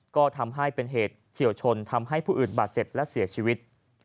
ก็ทำให้เป็นเหตุเฉียวชนทำให้ผู้อื่นบาดเจ็บและเสียชีวิต